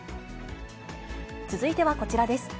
続いてはこちらです。